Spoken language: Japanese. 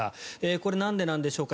これはなんでなんでしょうか。